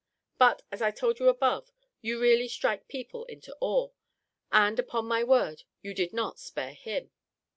But, as I told you above, you really strike people into awe. And, upon my word, you did not spare him.